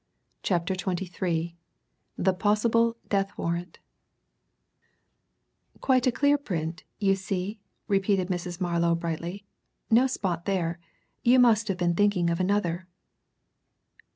CHAPTER XXIII THE POSSIBLE DEATH WARRANT "Quite a clear print, you see," repeated Mrs. Marlow brightly. "No spot there. You must have been thinking of another."